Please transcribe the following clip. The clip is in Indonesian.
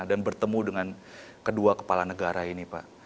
dan bertemu dengan kedua kepala negara ini pak